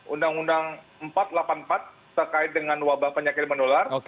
undang undang empat ratus delapan puluh empat terkait dengan wabah penyakit menular